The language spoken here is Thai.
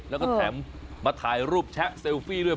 แล้วก็แถมมาถ่ายรูปแชะเซลฟี่ด้วย